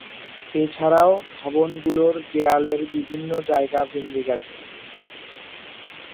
এছাড়াও ভবনগুলোর দেয়ালের বিভিন্ন জায়গা ভেঙে গেছে।